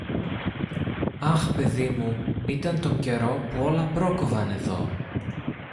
Αχ, παιδί μου, ήταν τον καιρό που όλα πρόκοβαν εδώ!